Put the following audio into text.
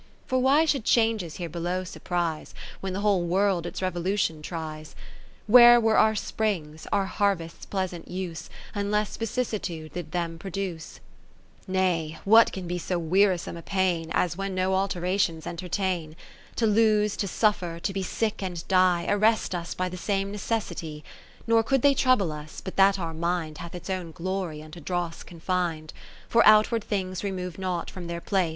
For why should changes here below surprise, When the whole World its revolution tries ? Where were our springs, our harvests' pleasant use, Unless Vicissitude did them produce ? Nay, what can be so wearisome a pain, 51 As when no alterations entertain ? To lose, to suffer, to be sick and die, Arrest us by the same necessity. Nor could they trouble us, but that our mind Hath its own glory unto dross con fin'd, For outward things remove not from their place.